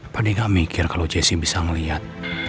pada gak mikir kalau jesse bisa ngeliat